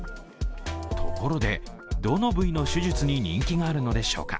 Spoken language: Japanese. ところで、どの部位の手術に人気があるのでしょうか。